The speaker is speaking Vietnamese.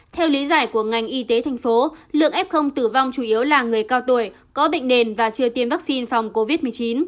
theo lý giải của ngành y tế thành phố lượng f tử vong chủ yếu là người cao tuổi có bệnh nền và chưa tiêm vaccine phòng covid một mươi chín